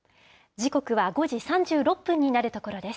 時刻は５時３６分になるところです。